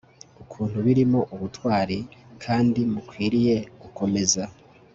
ukuntu birimo ubutwari kandi mukwiriye gukomeza